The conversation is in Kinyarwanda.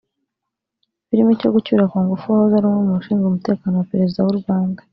birimo icyo gucyura ku ngufu uwahoze ari umwe mu bashinzwe umutekano wa Perezida w’u Rwanda